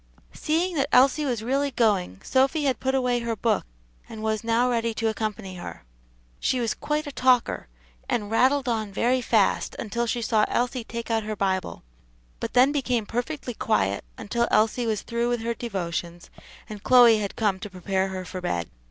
Seeing that Elsie was really going, Sophy had put away her book, and was now ready to accompany her. She was quite a talker, and rattled on very fast until she saw Elsie take out her Bible; but then became perfectly quiet until Elsie was through with her devotions, and Chloe had come to prepare her for bed.